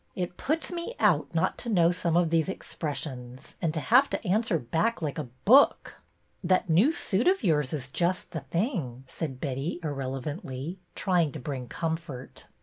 It puts me out not to know some of these expressions, and to have to answer back like a book." '' That new suit of yours is just the thing," said Betty, irrelevantly, trying to bring comfort.